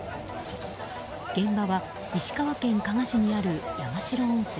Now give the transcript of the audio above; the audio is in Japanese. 現場は石川県加賀市にある山代温泉。